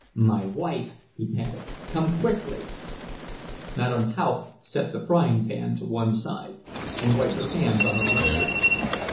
"My wife!" he panted. "Come quickly!" Madame Haupt set the frying pan to one side and wiped her hands on her wrapper.